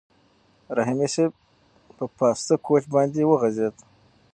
رحیمي صیب په پاسته کوچ باندې وغځېد.